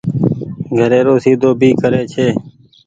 گهري رو سيڌو ڀي ڪري ڇي۔